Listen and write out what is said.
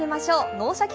「脳シャキ！